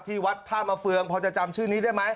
ที่วัดท่ามาเฟืองพอจะจำชื่อนี้ได้ไหม